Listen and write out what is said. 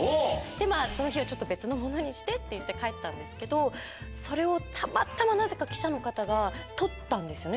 その日は別のものにしてって言って帰ったんですけどそれをたまたまなぜか記者の方が撮ったんですよね